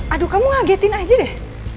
aduh kamu ngagetin aja deh